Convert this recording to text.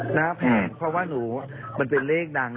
แพ่งเพราะหนูมันเป็นเลขดัง